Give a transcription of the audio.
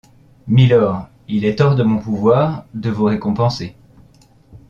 Milord, il est hors de mon pouvoir de vous récompenser...